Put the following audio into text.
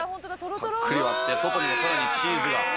パックリ割って外にもさらにチーズが。